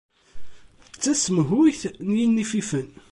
D tasemhuyt n yinififen.